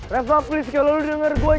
reva please kalau lu denger gua jalanin